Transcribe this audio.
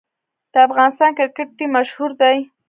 د افغانستان کرکټ ټیم مشهور دی